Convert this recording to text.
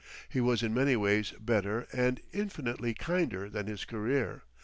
He was in many ways better and infinitely kinder than his career.